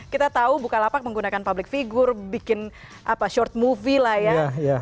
kita tahu bukalapak menggunakan public figure bikin short movie lah ya